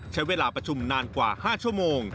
ใช้เวลาประชุมนานกว่า๕ชั่วโมง